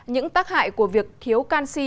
những tác hại của việc thiếu canxi